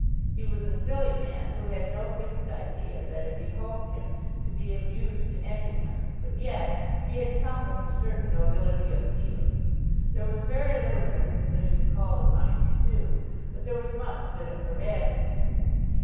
He was a silly man, who had no fixed idea that it behoved him to be of use to any one; but, yet, he had compassed a certain nobility of feeling. There was very little that his position called upon him to do, but there was much that it forbad him to do.